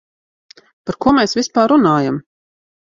Par ko mēs vispār runājam?